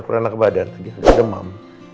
kurang ke badan agak demam